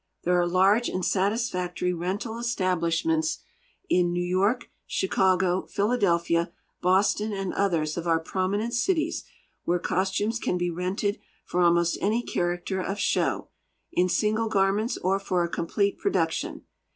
There are large and satisfactory rental establishments in New York, Chicago, Philadelphia, Boston, and others168 of our prominent cities where costumes can be rented for almost any character of show, in single garments or for a complete production.